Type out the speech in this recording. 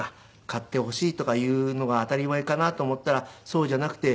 買ってほしいとかいうのが当たり前かなと思ったらそうじゃなくて。